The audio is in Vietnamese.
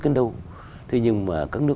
đến đâu thế nhưng mà các nước